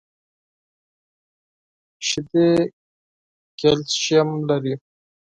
شیدې کلسیم لري .